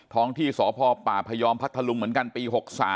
ท้องที่สพปพยอมพัทธลุงเหมือนกันปี๖๓